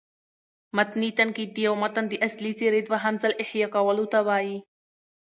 متني تنقید: د یو متن د اصلي څېرې دوهم ځل احیا کولو ته وايي.